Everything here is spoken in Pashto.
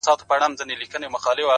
دا نن چي زه داسې درگورمه مخ نه اړوم _